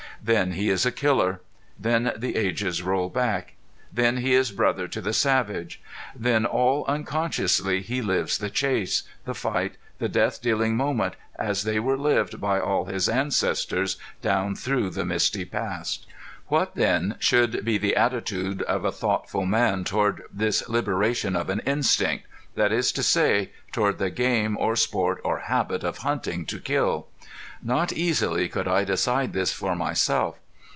Then he is a killer. Then the ages roll back. Then he is brother to the savage. Then all unconsciously he lives the chase, the fight, the death dealing moment as they were lived by all his ancestors down through the misty past. What then should be the attitude of a thoughtful man toward this liberation of an instinct that is to say, toward the game or sport or habit of hunting to kill? Not easily could I decide this for myself.